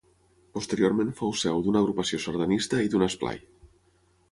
Posteriorment fou seu d'una agrupació sardanista i d'un esplai.